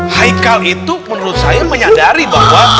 haikal itu menurut saya menyadari bahwa